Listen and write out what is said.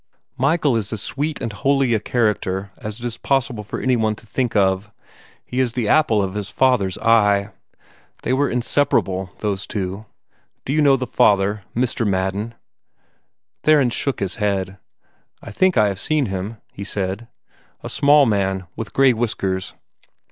"Michael is as sweet and holy a character as it is possible for any one to think of. He is the apple of his father's eye. They were inseparable, those two. Do you know the father, Mr. Madden?" Theron shook his head. "I think I have seen him," he said. "A small man, with gray whiskers."